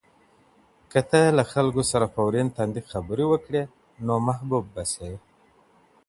که ته له خلکو سره په ورین تندي خبرې وکړې نو محبوب به شې.